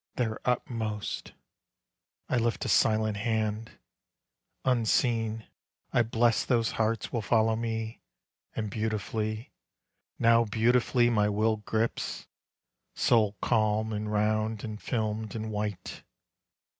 Their utmost. I lift a silent hand. Unseen I bless Those hearts will follow me. And beautifully, Now beautifully my will grips. Soul calm and round and filmed and white!